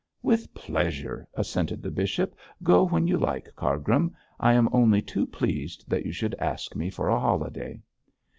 'With pleasure,' assented the bishop; 'go when you like, Cargrim. I am only too pleased that you should ask me for a holiday.'